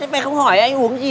mấy mẹ không hỏi anh uống gì à